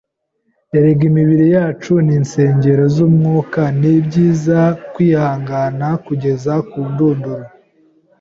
erega imibiri yacu ni insengero z’umwuka, ni byiza kwihangana kugeza ku ndunduro